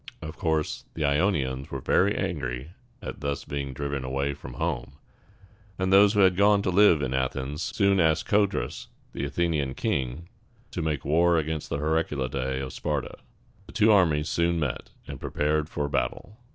Of course, the Ionians were very angry at thus being driven away from home; and those who had gone to live in Athens soon asked Co´drus, the Athenian king, to make war against the Heraclidæ of Sparta. The two armies soon met, and prepared for battle.